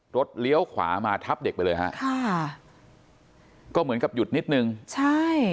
เลี้ยวขวามาทับเด็กไปเลยฮะค่ะก็เหมือนกับหยุดนิดนึงใช่